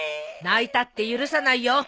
泣いたって許さないよ。